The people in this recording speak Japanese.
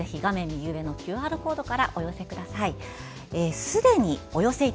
右上のＱＲコードからお寄せください。